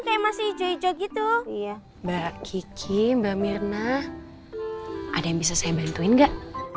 kayak masih hijau hijau gitu mbak kiki mbak mirna ada yang bisa saya bantuin gak